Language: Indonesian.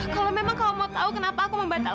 kalau memang kamu mau tahu kenapa aku membantumu